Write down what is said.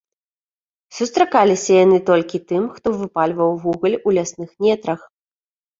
Сустракаліся яны толькі тым, хто выпальваў вугаль у лясных нетрах.